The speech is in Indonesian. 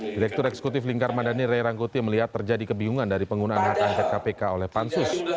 direktur eksekutif lingkar madani ray rangkuti melihat terjadi kebingungan dari penggunaan hak angket kpk oleh pansus